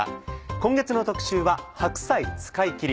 今月の特集は「白菜使いきり！」。